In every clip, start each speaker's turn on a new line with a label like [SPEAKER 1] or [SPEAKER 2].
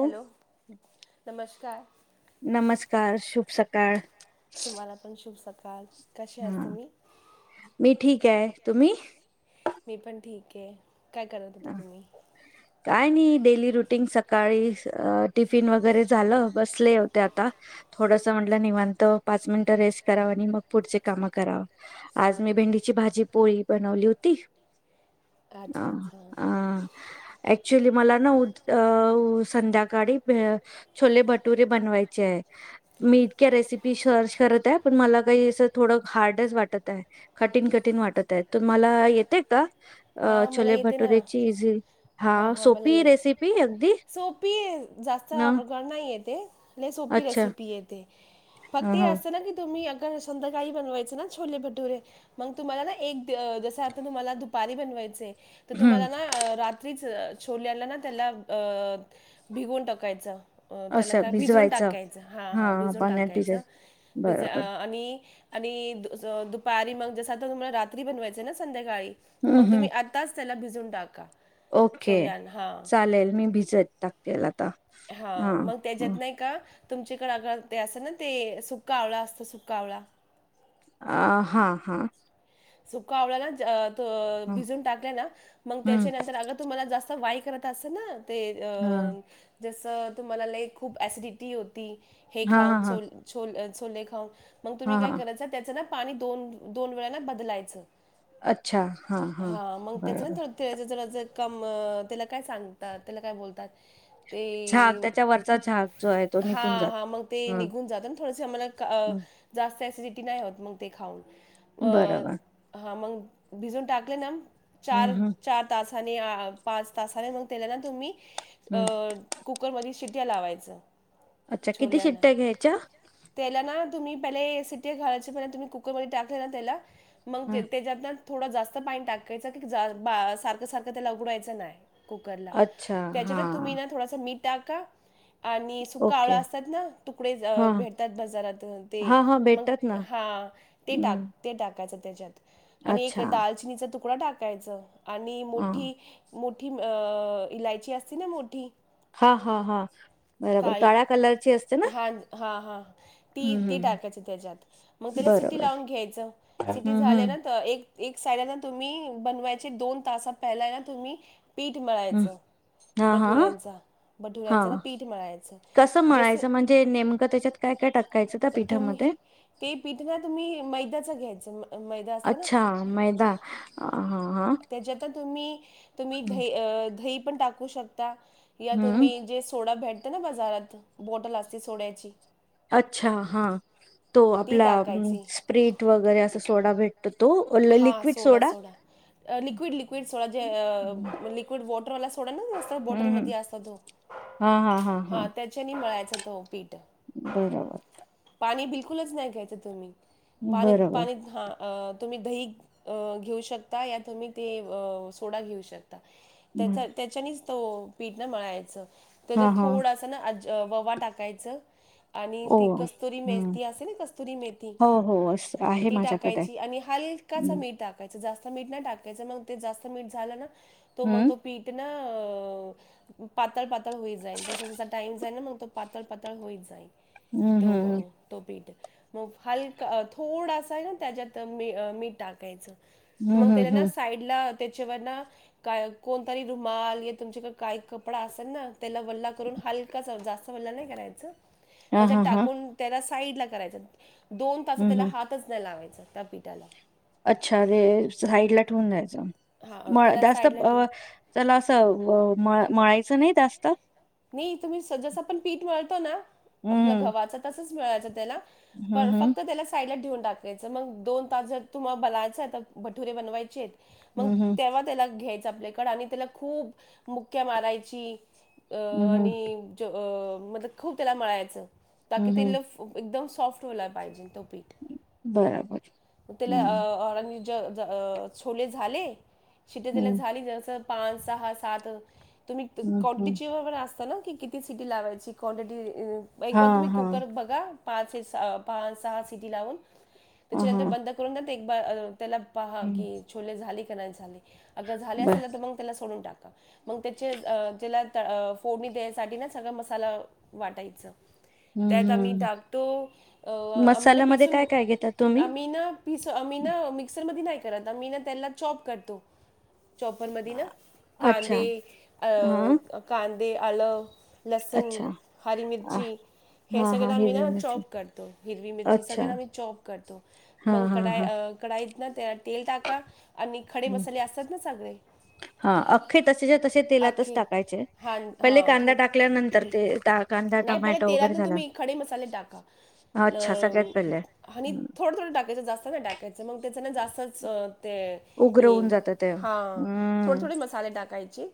[SPEAKER 1] Hello नमस्कार....
[SPEAKER 2] नमस्कार शुभ सकाळ
[SPEAKER 1] तुम्हाला पण शुभ सकाळ. कसे आहात
[SPEAKER 2] हा
[SPEAKER 1] तुम्ही
[SPEAKER 2] मी ठीक आहे तुम्ही
[SPEAKER 1] मी पण ठीक आहे. काय करत होता
[SPEAKER 2] हा.
[SPEAKER 1] तुम्ही
[SPEAKER 2] काय नाही डेली रुटीन सकाळी टिफिन वगैरे झालं बसले होते आता. थोडस म्हटलं निवांत पाच मिनिटं रेस्ट कराव आणि मग पुढचे काम करावं. आज मी भेंडीची भाजी पोळी बनवली होती.
[SPEAKER 1] अच्छा
[SPEAKER 2] अ-
[SPEAKER 1] अच्छा
[SPEAKER 2] ह ऍक्च्युली मला ना उत उ संध्याकाळी भे छोले भटुरे बनवायचे आहे. मी इतक्या रेसिपी सर्च करत आहे पण मला काही असं थोडं हार्डच वाटत आहे. कठीण कठीण वाटत आहे, तुम्हाला येतेय का अ छोले भटुरे
[SPEAKER 1] ह हा मला येते
[SPEAKER 2] रेसिपी अगदी
[SPEAKER 1] सोपीये जास्त
[SPEAKER 2] ना
[SPEAKER 1] अवघड नाहीये ते लई सोपी
[SPEAKER 2] अच्छा
[SPEAKER 1] रेसिपी ये ते
[SPEAKER 2] ह
[SPEAKER 1] फक्त ये
[SPEAKER 2] ह
[SPEAKER 1] असं ना की तुम्ही संध्याकाळी बनवायच ना छोले भटुरे मग तुम्हाला ना एक जस आता तुम्हाला- दुपारी बनवायचे तर
[SPEAKER 2] हम्म.
[SPEAKER 1] तुम्हाला ना रात छोल्याला ना त्याला अ भिगून टाकायचं. अं त्याला
[SPEAKER 2] असं
[SPEAKER 1] काय भिजून
[SPEAKER 2] भिजवायचं
[SPEAKER 1] टाकायचं हा हा भिजून
[SPEAKER 2] पाण्यात भिजत
[SPEAKER 1] टाकायचं भिज
[SPEAKER 2] बरोबर
[SPEAKER 1] आणि आणि द दुपारी मग जस आता तुम्हाला रात्री बनवायचंय ना संध्याकाळी
[SPEAKER 2] हम्म
[SPEAKER 1] मग
[SPEAKER 2] हम्म.
[SPEAKER 1] तुम्ही आ आताच त्याला भिजून टाका.
[SPEAKER 2] ओके
[SPEAKER 1] छोल्यान हां
[SPEAKER 2] चालेल मी भिजत टाकतील आता.
[SPEAKER 1] हा मग त्याच्यात नाही का तुमच्याकडे अगळ ते असं ना ते सुक्का आवळा असतं सुका आवळा
[SPEAKER 2] अ हा हा.....
[SPEAKER 1] सुका आवळा ना
[SPEAKER 2] हा.
[SPEAKER 1] भिजून टाकला ना मग
[SPEAKER 2] हम्म
[SPEAKER 1] त्याच्या नंतर अग तुमला जास्त वाय करत अस ना ते अ
[SPEAKER 2] हा
[SPEAKER 1] जसं तुम्हाला लई खूप ॲसिडिटी होती हे
[SPEAKER 2] हा
[SPEAKER 1] खाऊन
[SPEAKER 2] हा
[SPEAKER 1] सोल छोले छोले खाऊन मग
[SPEAKER 2] हा
[SPEAKER 1] तुम्ही काय
[SPEAKER 2] हा
[SPEAKER 1] करायच त्याचं ना पाणी दोन दोन वेळा ना बदलायचं.
[SPEAKER 2] अच्छा हा हा बरोबर.
[SPEAKER 1] च जरा ज काम त्याला काय सांगतात त्याला काय बोलतात. ते
[SPEAKER 2] झाग त्याच्या वरचा झाग जो आहे तो
[SPEAKER 1] हा
[SPEAKER 2] निघून
[SPEAKER 1] हा
[SPEAKER 2] जातो
[SPEAKER 1] मग ते
[SPEAKER 2] ह
[SPEAKER 1] निघून जात. थोडंसे आम्हाला का जास्त ॲसिडिटी नाही होत मग ते खाऊन अ
[SPEAKER 2] बरोबर
[SPEAKER 1] हा मग भिजून टाकले ना
[SPEAKER 2] हम्म
[SPEAKER 1] चार
[SPEAKER 2] हम्म
[SPEAKER 1] चार तासाने पाच तासाने मग तेला ना तुम्ही अ
[SPEAKER 2] हम्म
[SPEAKER 1] कुकर मध्ये शिट्या लावायचं.
[SPEAKER 2] अच्छा किती
[SPEAKER 1] छोल्याला.
[SPEAKER 2] शिट्ट्या घ्यायच्या?
[SPEAKER 1] त्याला ना तुम्ही पहिले सिट्टी घालायची पण तुम्ही कुकरमध्ये टाकले ना त्याला मग
[SPEAKER 2] ह
[SPEAKER 1] ते त्याच्यात थोडं जास्त पाणी टाकायचं की सारखं सारखं ते ऊगडायचं नाही. कुकर ला
[SPEAKER 2] अच्छा हा
[SPEAKER 1] त्याच्यात तुम्ही ना थोडासा मीठ टाका. आणि सुका आवळा
[SPEAKER 2] ओके
[SPEAKER 1] असतात ना तुकडे
[SPEAKER 2] हा
[SPEAKER 1] भेटतात बाजारातून ते
[SPEAKER 2] हा हा
[SPEAKER 1] मग
[SPEAKER 2] भेटतात ना
[SPEAKER 1] हा ते टाक.
[SPEAKER 2] हम्म
[SPEAKER 1] ते टाकायचं त्याच्यात आणि एक
[SPEAKER 2] अच्छा
[SPEAKER 1] दालचिनीचा तुकडा टाकायचा आणि
[SPEAKER 2] ह
[SPEAKER 1] मोठी मोठी अ इलायची असती ना मोठी
[SPEAKER 2] हा हा हा बरोबर
[SPEAKER 1] काळी
[SPEAKER 2] काळ्या कलरची असते ना
[SPEAKER 1] हा हा ह ती ती
[SPEAKER 2] हम्म
[SPEAKER 1] टाकायची त्याच्यात. मग त्याला सिटी
[SPEAKER 2] बरोबर
[SPEAKER 1] लावून घ्यायचं. सिटी
[SPEAKER 2] हम्म
[SPEAKER 1] झाले
[SPEAKER 2] हम्म
[SPEAKER 1] ना एक एक साइड ना तुम्ही बनवायचे दोन तास पहिला ना तुम्ही पीठ
[SPEAKER 2] हम्म
[SPEAKER 1] मिळायचं.
[SPEAKER 2] हा हा
[SPEAKER 1] भठुऱ्यांचा
[SPEAKER 2] हा
[SPEAKER 1] भठुऱ्यांचा ना पीठ मळायचं
[SPEAKER 2] कसं
[SPEAKER 1] जस
[SPEAKER 2] म्हणायचं म्हणजे नेमकं त्याच्यात काय काय टाकायचं त्या
[SPEAKER 1] तुम्ही
[SPEAKER 2] पिठामध्ये?
[SPEAKER 1] ते पीठ ना तुम्ही मैदा्याच घ्यायचं मैदा असत ना.
[SPEAKER 2] अच्छा मैदा हा हा
[SPEAKER 1] त्याच्यात तुम्ही तुम्ही द दही पण टाक कू शकता. या
[SPEAKER 2] हम्म
[SPEAKER 1] तुम्ही जे सोडा भेटता ना बाजारात बॉटल असते सोड्याची
[SPEAKER 2] अच्छा हा. तो
[SPEAKER 1] ती
[SPEAKER 2] आपला
[SPEAKER 1] टाकायची
[SPEAKER 2] स्प्र्रीट वगैरे असा सोडा भेटतो तो? ल-
[SPEAKER 1] हां
[SPEAKER 2] liquid
[SPEAKER 1] soda soda liquid liquid soda जे
[SPEAKER 2] हम्म
[SPEAKER 1] फुल वॉटर वाला सोडा नाही असंत बॉटल
[SPEAKER 2] हम्म
[SPEAKER 1] मध्ये असतो तो हा त्या च्यानी मिळायच तो पीठ.
[SPEAKER 2] बरोबर.
[SPEAKER 1] पाणी बिलकुलच नाही घ्यायचं तुम्ही पाणी
[SPEAKER 2] बरोबर
[SPEAKER 1] पाणी हां. तुम्ही दही घेऊ शकता या तुम्ही ते सोडा घेऊ शकता. त्याच्या
[SPEAKER 2] हम्म.
[SPEAKER 1] त्याच्यानीच तो पीठ न मळायच त्याच्या
[SPEAKER 2] हा हा
[SPEAKER 1] थोडा सा ववा टाकायच आणि
[SPEAKER 2] ओ
[SPEAKER 1] ती कस्तुरी
[SPEAKER 2] हम्म
[SPEAKER 1] मेथी असे ना कस्तुरी मेथी
[SPEAKER 2] हो हो अस आहे
[SPEAKER 1] ती
[SPEAKER 2] माझ्याकडे
[SPEAKER 1] टाकायची आणि हलका
[SPEAKER 2] हम्म
[SPEAKER 1] मीठ टा कायच जास्त मीठ नाही टाकायच मग ते जास्त मीठ झालं ना तो
[SPEAKER 2] हम्म
[SPEAKER 1] मग पीठ ना पातळ पातळ होई जाईल जस जचा टाईम जाई ना मग तो पातळ पातळ होई जाईल.
[SPEAKER 2] हम्म
[SPEAKER 1] त
[SPEAKER 2] हम्म
[SPEAKER 1] तो पीठ मग हलका थोडासा आहे ना, त्याच्यात मी मीठ टाकायचं. मग
[SPEAKER 2] हम्म
[SPEAKER 1] त्याला
[SPEAKER 2] हम्म
[SPEAKER 1] ना
[SPEAKER 2] हम्म.
[SPEAKER 1] साईड. त्याच्यावर ना का कोणतरी रुमाल, या तुमच्याकडे काही कपडा असेल ना? त्याला वल्ला करून हलका जास्त वल्ला नाही करायच.
[SPEAKER 2] हा, हा, हां.
[SPEAKER 1] त्याला साईडला कराय, दोन तास
[SPEAKER 2] हम्म
[SPEAKER 1] त्याला
[SPEAKER 2] हम्म
[SPEAKER 1] हातच नाही लावायच त्या पिठाला.
[SPEAKER 2] अच्छा, ते साईडला ठेवून द्यायचं
[SPEAKER 1] हा
[SPEAKER 2] म,
[SPEAKER 1] त्याला
[SPEAKER 2] जास्त
[SPEAKER 1] साईडला ठेव
[SPEAKER 2] अ चला, असं मळायचं नाही जास्त.
[SPEAKER 1] नाही, तुम्ही स, जसं आपण पीठ मिळत ना आपलं
[SPEAKER 2] हम्म
[SPEAKER 1] गव्हाचं, तसंच मिळायचं त्याला
[SPEAKER 2] हम्म
[SPEAKER 1] पर
[SPEAKER 2] हम्म
[SPEAKER 1] फक्त त्याला. साईडला ठेवून टाकायचं, मग दोन तास जर तुम्हाला बलायचं तर भटुरे बनवायचेत. मग
[SPEAKER 2] हम्म
[SPEAKER 1] तेव्हा त्याला घ्यायचं आपल्याकडे आणि त्याला खूप मुक्क्या मारायची अं,
[SPEAKER 2] हम्म
[SPEAKER 1] आणि म, खूप त्याला मळायचं तकी
[SPEAKER 2] हम्म
[SPEAKER 1] ते
[SPEAKER 2] हम्म
[SPEAKER 1] ल एकदम सॉफ्ट वाला पायजे तो पीट
[SPEAKER 2] बरोबर
[SPEAKER 1] त्याला [unintelligible]
[SPEAKER 2] हम्म
[SPEAKER 1] [unintelligible] छोले झाले शिटे झाल्या
[SPEAKER 2] हम्म
[SPEAKER 1] झाली जस पाच सहा सात तुम्ही
[SPEAKER 2] हम्म हम्म
[SPEAKER 1] क्वांटिटीची वबर असता ना की किती सिटी लावायची क्वांटिटी. एक
[SPEAKER 2] हा
[SPEAKER 1] ब, तुम्ही
[SPEAKER 2] हा
[SPEAKER 1] कुकर बघा, पाच सहा सिटी लावून,
[SPEAKER 2] अ हा
[SPEAKER 1] त्याच्यानंतर बंद करून एक त्याला पहा
[SPEAKER 2] हम्म.
[SPEAKER 1] की छोले झाले का नाही झाले अगर झाले
[SPEAKER 2] बर
[SPEAKER 1] असेल तर तर मग त्याला सोडून टाका, मग त्याचे जेला फोडणी द्यायसाठी ना सगळं मसाला वाटायचं
[SPEAKER 2] हम्म
[SPEAKER 1] त्यात आम्ही
[SPEAKER 2] हम्म
[SPEAKER 1] टाकतो अ आम्ही ना
[SPEAKER 2] मसाल्यामध्ये
[SPEAKER 1] पिसून
[SPEAKER 2] काय काय घेता तुम्ही
[SPEAKER 1] आम्ही ना पिस आम्ही ना मिक्सरमध्ये नाही करत आ मी ना त्याला चॉप करतो. चॉपरमध्ये न
[SPEAKER 2] अच्छा
[SPEAKER 1] कांदे
[SPEAKER 2] हा
[SPEAKER 1] कांदे आलं लसन
[SPEAKER 2] अच्छा
[SPEAKER 1] हारी
[SPEAKER 2] आ,
[SPEAKER 1] मिर्ची हे
[SPEAKER 2] हा हा
[SPEAKER 1] सगळं मी
[SPEAKER 2] हिरवी
[SPEAKER 1] ना,
[SPEAKER 2] मिरची
[SPEAKER 1] चॉप करतो, हिरवी मिरची
[SPEAKER 2] अच्छा
[SPEAKER 1] सगळं मी चॉप करतो.
[SPEAKER 2] हा
[SPEAKER 1] मग
[SPEAKER 2] हा
[SPEAKER 1] कडाई,
[SPEAKER 2] हा
[SPEAKER 1] कढाईत ना त्याला तेल टाका. आणि खडे
[SPEAKER 2] हम्म.
[SPEAKER 1] मसाले असतात ना सगळे
[SPEAKER 2] हा अख्खे तसेच्या तसे तेलातच
[SPEAKER 1] अखे
[SPEAKER 2] टाकायचे
[SPEAKER 1] हां
[SPEAKER 2] पहिले
[SPEAKER 1] हा
[SPEAKER 2] कांदा टाकल्यानंतर ते टा- कांदा
[SPEAKER 1] नाही प
[SPEAKER 2] टमॅटो
[SPEAKER 1] तेलात
[SPEAKER 2] वगैरे
[SPEAKER 1] ना
[SPEAKER 2] झाला
[SPEAKER 1] तुम्ही खडे मसाले टाका ल
[SPEAKER 2] अच्छा सगळ्यात पहिले
[SPEAKER 1] आणि
[SPEAKER 2] हम्म.
[SPEAKER 1] थोडं थोडं टाकायचं, जास्त नाही टाकायचं, मग त्याचं नाही जास्तच ते
[SPEAKER 2] उग्र होऊन जात ते
[SPEAKER 1] हा थोडे
[SPEAKER 2] हम्म
[SPEAKER 1] थोडे मसाले टाकायचे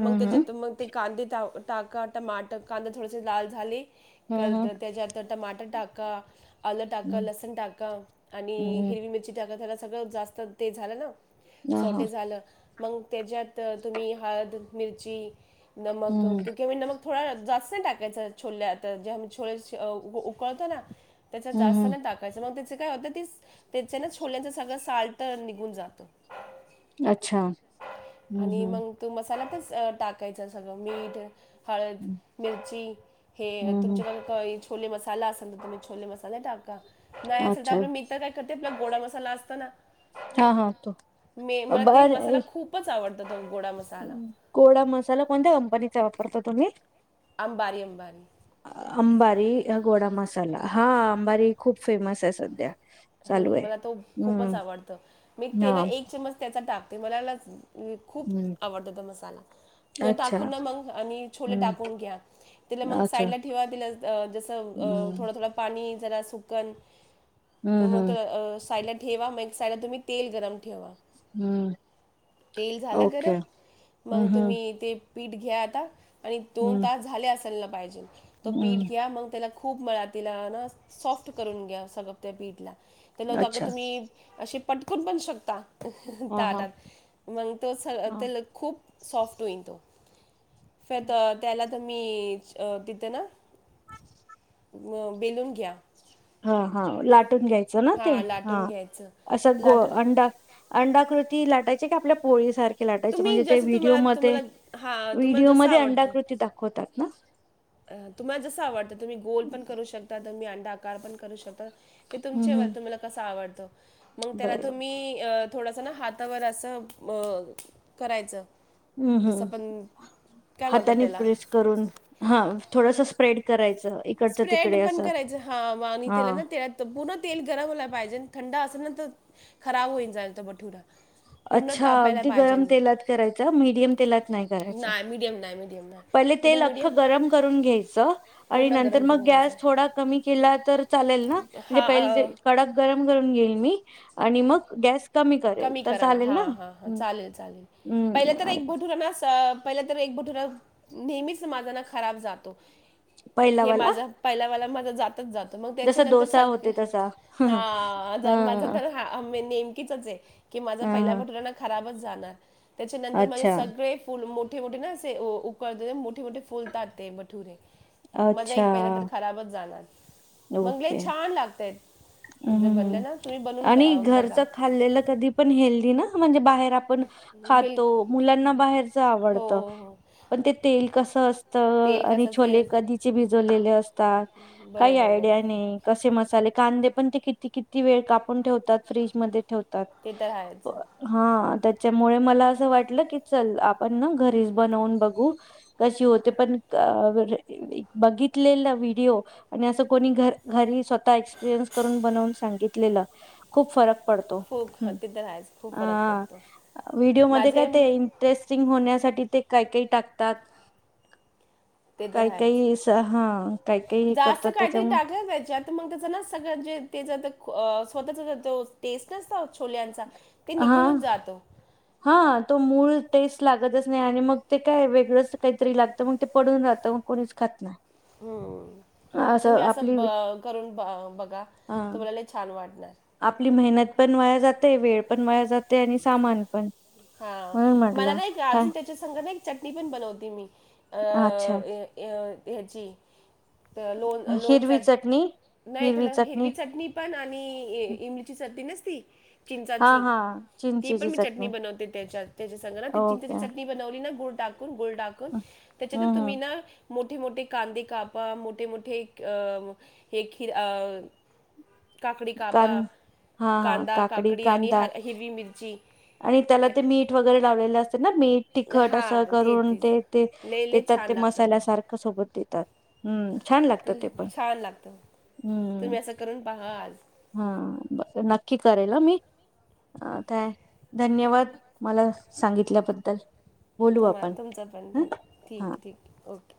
[SPEAKER 1] मग त्याच्यात मग ते कांदे टा टाका, टमाटर, कांदे थोडेसे लाल झाले
[SPEAKER 2] हम्म
[SPEAKER 1] करत
[SPEAKER 2] हम्म
[SPEAKER 1] त्याच्यात तर टमाटर टाका आलं टाका,
[SPEAKER 2] हम्म
[SPEAKER 1] लसण टाका आणि
[SPEAKER 2] हम्म
[SPEAKER 1] हिरवी मिरची टाका त्याला सगळं जास्त ते झालं ना.
[SPEAKER 2] हम्म
[SPEAKER 1] सोटे
[SPEAKER 2] हम्म
[SPEAKER 1] झालं, मग त्याच्यात तुम्ही हळद मिरची नमक क्यंकि म मीही नमक थोडा जास्त नाही टाकायचा छोले तर, जेव्हा मी छोळे उकळतो ना. त्याचा
[SPEAKER 2] हम्म
[SPEAKER 1] जास्त नाही
[SPEAKER 2] हम्म
[SPEAKER 1] टाकायचं, मग त्याचे काय होते, ती त्याचे ना छोल्यांचं सगळं साल्ट निघून जातं
[SPEAKER 2] अच्छा हम्म हम्म
[SPEAKER 1] तू मसालातच टाकायचा सगळं मीठ हळद,
[SPEAKER 2] हम्म
[SPEAKER 1] मिरची हे
[SPEAKER 2] हम्म हम्म
[SPEAKER 1] तुमच्या छोले मसाला असेल तर तुम्ही छोले मसाला टाका, नाही असेल तर
[SPEAKER 2] अच्छा
[SPEAKER 1] आप मी काय करते आप, गोडा मसाला असता ना,
[SPEAKER 2] हा हा तो
[SPEAKER 1] मे म ते
[SPEAKER 2] बर
[SPEAKER 1] मसाला
[SPEAKER 2] ए,
[SPEAKER 1] खूप खूपच आवडं तो गोडा मसाला.
[SPEAKER 2] गोडा मसाला कोणत्या कंपनीचा वापरता तुम्ही?
[SPEAKER 1] अंबारी अंबारी.
[SPEAKER 2] अंबारी गोडा मसाला, हा अंबारी खूप फेमस आहे सध्या. चालू
[SPEAKER 1] हं
[SPEAKER 2] आहे.
[SPEAKER 1] मला तो खूपच
[SPEAKER 2] हम्म
[SPEAKER 1] आवडतं. मी
[SPEAKER 2] हा
[SPEAKER 1] तेना एक चमच त्याचा टाकते मलाला खूप
[SPEAKER 2] हम्म
[SPEAKER 1] आवडत तो मसाला, ते
[SPEAKER 2] अच्छा
[SPEAKER 1] टाकून ना मग आणि छोले
[SPEAKER 2] हम्म
[SPEAKER 1] टाकून घ्या. तिला मग
[SPEAKER 2] अच्छा
[SPEAKER 1] साईडला ठेवा, तिला जसं अ
[SPEAKER 2] हम्म
[SPEAKER 1] थोडं थोडं पाणी जरा सुकन त
[SPEAKER 2] हम्म
[SPEAKER 1] मग
[SPEAKER 2] हम्म
[SPEAKER 1] साईडला ठेवा, मग ऐक साईडला तुम्ही तेल गरम ठेवा.
[SPEAKER 2] हम्म
[SPEAKER 1] तेल झालं
[SPEAKER 2] ओके
[SPEAKER 1] गरम,
[SPEAKER 2] हम्म
[SPEAKER 1] मग
[SPEAKER 2] हम्म
[SPEAKER 1] तुम्ही ते पीठ घ्या आता आणि दोन
[SPEAKER 2] हम्म
[SPEAKER 1] तास झाले असलना पाहिजे, तो पीठ
[SPEAKER 2] हम्म
[SPEAKER 1] घ्या मग त्याला खूप मळा तीला आन सॉफ्ट करून घ्या सगळं त्या पीठला. त्याला अगं
[SPEAKER 2] अच्छा
[SPEAKER 1] तुम्ही असे पटकून पण शकता
[SPEAKER 2] हा हा
[SPEAKER 1] ताटात, मग तो स
[SPEAKER 2] हा
[SPEAKER 1] तेला खूप सॉफ्ट होईन तो. फेत त्याला तं मी तितं ना मं बेलून घ्या.
[SPEAKER 2] हा हा लाटून घ्यायचं ना ते?
[SPEAKER 1] लाटून
[SPEAKER 2] हा
[SPEAKER 1] घ्यायचं
[SPEAKER 2] असं गोल
[SPEAKER 1] लाटून
[SPEAKER 2] अंडा अंडाकृती लाटायची की, आपल्या पोळीसार लाटायचे
[SPEAKER 1] तुम्ही
[SPEAKER 2] म्हणजे ते
[SPEAKER 1] जसं तुम्हाला
[SPEAKER 2] व्हिडिओमधे,
[SPEAKER 1] तुम्हाला हा तुम्हाला जसं
[SPEAKER 2] व्हिडिओमधे
[SPEAKER 1] आवडतंय
[SPEAKER 2] अंडाकृती दाखवतात ना?
[SPEAKER 1] अं तुम्हाला जसं आवडतं, तुम्ही गोल पण करू शकता, तुम्ही अंडा आकार पण करू शकता. ते
[SPEAKER 2] हम्म
[SPEAKER 1] तुमच्यावर
[SPEAKER 2] हम्म
[SPEAKER 1] तुम्हाला कस आवडतं. मग त्याला
[SPEAKER 2] बरं
[SPEAKER 1] तुम्ही, थोडासा ना हात तावर असं मग करायचं
[SPEAKER 2] हम्म
[SPEAKER 1] जसं
[SPEAKER 2] हम्म
[SPEAKER 1] पण काय म्हणतात
[SPEAKER 2] हातानी
[SPEAKER 1] त्याला
[SPEAKER 2] प्रेस करून, हा थोडसं स्प्रेड करायचं. इकडचं
[SPEAKER 1] स्प्रेड
[SPEAKER 2] तिकडे
[SPEAKER 1] पण
[SPEAKER 2] असं
[SPEAKER 1] करायचं, हा वाणी
[SPEAKER 2] हा
[SPEAKER 1] तेला ना तेलात तर पूर्ण तेल गरम होयला पाहिजे. थंड असेल ना, तर खराब होईन जायल त बठुडा.
[SPEAKER 2] अच्छा अगदी गरम तेलात करायचं, मीडियम तेलात नाही करायचं.
[SPEAKER 1] मिडयम नाही, मिडीयम नाही.
[SPEAKER 2] पहिले
[SPEAKER 1] तुम्ही
[SPEAKER 2] तेल
[SPEAKER 1] मीडियम
[SPEAKER 2] अख्खं गरम करून घ्यायचं आणि
[SPEAKER 1] पूर्ण
[SPEAKER 2] नंतर
[SPEAKER 1] गरम
[SPEAKER 2] मग
[SPEAKER 1] करून
[SPEAKER 2] गॅस
[SPEAKER 1] घ्यायचं
[SPEAKER 2] थोडा कमी केला तर चालेल ना? म्हणजे
[SPEAKER 1] हा
[SPEAKER 2] पहिले
[SPEAKER 1] अं,
[SPEAKER 2] ते कडक गरम करून घेईल मी आणि मग गॅस करेल
[SPEAKER 1] कमी
[SPEAKER 2] तर
[SPEAKER 1] कराना
[SPEAKER 2] चालेल
[SPEAKER 1] हा
[SPEAKER 2] ना
[SPEAKER 1] हां हां चालेल चालेल,
[SPEAKER 2] हम्म
[SPEAKER 1] पहिले तर एक बोटूरा पहिलं तर एक बटुरा नेहमीच माझाना खराब जातो, हे
[SPEAKER 2] पहिलावाला
[SPEAKER 1] माझं पहिल्यावाला माझं जातच जातं, मग
[SPEAKER 2] जसा
[SPEAKER 1] त्याच्यानंतर
[SPEAKER 2] डोसा
[SPEAKER 1] सगळे
[SPEAKER 2] होते तसा
[SPEAKER 1] हा ज माझं
[SPEAKER 2] ह
[SPEAKER 1] तर हा मे नेमकीचाच ये की, माझा पहिला
[SPEAKER 2] ह
[SPEAKER 1] बटूरा ना खराबच जाणार. त्याच्यानंतर माझे
[SPEAKER 2] अच्छा,
[SPEAKER 1] सगळे फुल मोठे मोठे ना असे, उकळते मोठे मोठे फुलता ते बठुरे माझा एक पहिला तर
[SPEAKER 2] अच्छा.
[SPEAKER 1] खराबच जाणार. मंग लई
[SPEAKER 2] ओके.
[SPEAKER 1] छान लागतायत,
[SPEAKER 2] हं,
[SPEAKER 1] जर
[SPEAKER 2] हं,
[SPEAKER 1] बनलं
[SPEAKER 2] हं.
[SPEAKER 1] ना तुम्ही बनून
[SPEAKER 2] आणि
[SPEAKER 1] बघा.
[SPEAKER 2] घरचं खाल्लेलं कधी पण हेल्ली ना? म्हणजे बाहेर आपण खातो,
[SPEAKER 1] बिलकुल
[SPEAKER 2] मुलांना बाहेरच
[SPEAKER 1] हो
[SPEAKER 2] आवडत.
[SPEAKER 1] हो हो
[SPEAKER 2] पण ते तेल कसं असतं,
[SPEAKER 1] तेल
[SPEAKER 2] आणि
[SPEAKER 1] कसं ते
[SPEAKER 2] छोले कधी ची भिजलेलेले असतात काही
[SPEAKER 1] बरोबर
[SPEAKER 2] आयडिया
[SPEAKER 1] बरोबर
[SPEAKER 2] नही. कसे मसाले, कांदे पण ते किती किती वेळ कापून ठेवतात, फ्रीजमध्ये ठेवतात
[SPEAKER 1] ते तर आहेच
[SPEAKER 2] हा त्याच्यामुळे मला असं वाटलं की, चल आपण ना घरीच बनवून बघू. कशी होते, पण म्हणजे बघितलेला व्हिडिओ. आणि असं कोणी घ घरी स्वतः एक्सपिरियन्स करून बनवून सांगितलेलं खूप फरक पडतो
[SPEAKER 1] खूप
[SPEAKER 2] हम्म
[SPEAKER 1] ते तर आहेच खूप फरक
[SPEAKER 2] अ
[SPEAKER 1] पडतो
[SPEAKER 2] व्हिडिओ मध्ये काय
[SPEAKER 1] माझे
[SPEAKER 2] ते टेस्टिंग होण्यासाठी ते काही काही टाकतात.
[SPEAKER 1] ते तर
[SPEAKER 2] काही काहीस हा काही काही
[SPEAKER 1] अस
[SPEAKER 2] करतात
[SPEAKER 1] काहीतरी
[SPEAKER 2] त्याच्यामुळे
[SPEAKER 1] टाकाया पाहिजे त्याच्यात तर मग त्याचा ना सगळ जे त्याच स्वतःचा जो टेस्ट असतो छोल्यांचा ते
[SPEAKER 2] हा
[SPEAKER 1] निघूनच जातो
[SPEAKER 2] हा तो मूळ टेस्ट लागतच नाही आणि मग ते काय वेगळंच काहीतरी लागतं मग ते पडून राहतं. कोणीच खात नाही.
[SPEAKER 1] हम्म तुम्ही असं ब करून बघा
[SPEAKER 2] अ
[SPEAKER 1] तुम्हाला लई छान वाटणार.
[SPEAKER 2] आपली मेहनत पण वाया जाते वेळ पण वाया जात ते आणि सामान पण म्हणून म्हटलं काय
[SPEAKER 1] त्याच्यासंग मी चटणी पण बनवते मी अ
[SPEAKER 2] अच्छा
[SPEAKER 1] याची तर लोण लोणच
[SPEAKER 2] हिरवी चटणी
[SPEAKER 1] नाही त्याला हिरवी चटणी पण आणि इमलीची चटणी नसती
[SPEAKER 2] हा
[SPEAKER 1] चिंचाची
[SPEAKER 2] हा
[SPEAKER 1] ती पण
[SPEAKER 2] चिंचेची
[SPEAKER 1] मी चटणी बनवते त्याच्यात त्याच्यास़ंग ना चिंचची
[SPEAKER 2] ओके
[SPEAKER 1] चटणी बनवली ना गुळ टाकून गुळ टाकून
[SPEAKER 2] हम्म
[SPEAKER 1] त्याच्यात तुम्ही
[SPEAKER 2] हम्म
[SPEAKER 1] ना मोठे मोठे कांदे कापा मोठे मोठे अ हे खीर अ काकडी
[SPEAKER 2] कां
[SPEAKER 1] कापा
[SPEAKER 2] हा हा
[SPEAKER 1] कांदा काकडी आणि
[SPEAKER 2] कांदा
[SPEAKER 1] हिरवी मिर
[SPEAKER 2] आणि त्याला ते मीठ वगैरे लावलेले असते ना मीठ तिखट
[SPEAKER 1] हा
[SPEAKER 2] असं करून
[SPEAKER 1] तीच
[SPEAKER 2] ते ते
[SPEAKER 1] लय लय
[SPEAKER 2] देतात
[SPEAKER 1] छान
[SPEAKER 2] ते
[SPEAKER 1] लागतं मग
[SPEAKER 2] मसाल्यासारखं सोबत देतात. हम्म छान लागतं ते पण
[SPEAKER 1] ल- छान लागतं
[SPEAKER 2] हम्म
[SPEAKER 1] तुम्ही असं करून पहा आज
[SPEAKER 2] हा बर नक्की करेल अ मी अ काय धन्यवाद मला सांगितल्याबद्दल बोलू
[SPEAKER 1] तुम्हा
[SPEAKER 2] आपण
[SPEAKER 1] तुमचं पण
[SPEAKER 2] ह
[SPEAKER 1] धन ठीक
[SPEAKER 2] हा
[SPEAKER 1] आहे ठीक ओके.